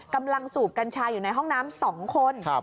สูบกัญชาอยู่ในห้องน้ำ๒คน